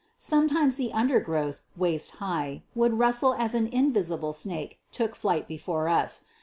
Sometimes the undergrowth, waist high, would rustle as an invisible snake took flight before us.